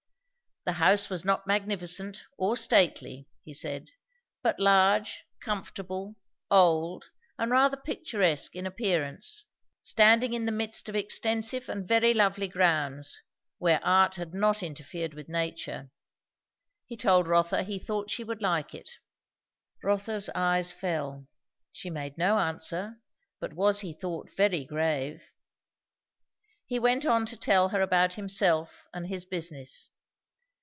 The house was not magnificent or stately, he said; but large, comfortable, old, and rather picturesque in appearance; standing in the midst of extensive and very lovely grounds, where art had not interfered with nature. He told Rotha he thought she would like it. Rotha's eyes fell; she made no answer, but was he thought very grave. He went on to tell her about himself and his business.